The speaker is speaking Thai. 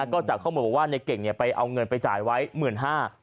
ก็จะเข้าหมดว่าในเก่งเนี่ยไปเอาเงินไปจ่ายไว้๑๕๐๐๐บาท